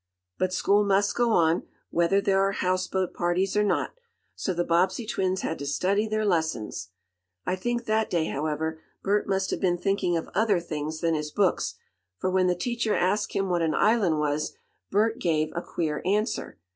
But school must go on, whether there are houseboat parties or not, so the Bobbsey twins had to study their lessons. I think that day, however, Bert must have been thinking of other things than his books, for when the teacher asked him what an island was, Bert gave a queer answer.